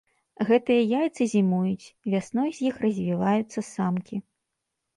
Гэтыя яйцы зімуюць, вясной з іх развіваюцца самкі.